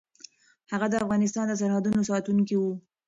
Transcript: هغه د افغانستان د سرحدونو ساتونکی و.